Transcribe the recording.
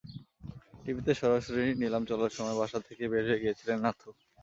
টিভিতে সরাসরি নিলাম চলার সময় বাসা থেকে বের হয়ে গিয়েছিলেন নাথু।